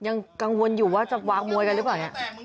ยังกังวลอยู่ว่าจะวางมวยกันหรือเปล่าเนี่ย